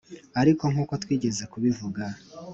Ariko nk’uko twigeze kubivuga